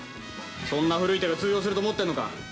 そんな古い手が通用すると思ってるのか？